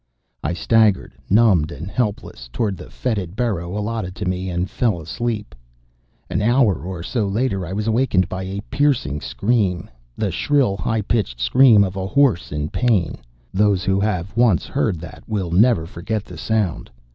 I staggered, numbed and helpless, toward the fetid burrow allotted to me, and fell asleep. An hour or so later I was awakened by a piercing scream the shrill, high pitched scream of a horse in pain. Those who have once heard that will never forget the sound.